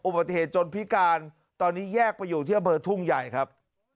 อุบัติเหตุจนพิการตอนนี้แยกไปอยู่ที่อำเภอทุ่งใหญ่ครับ